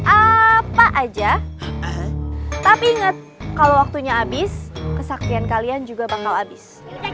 apa aja tapi nget kalau waktunya abis kesakian kalian juga bakal abis